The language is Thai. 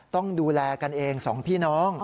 ต้องดูแลกันเองสองพี่น้อง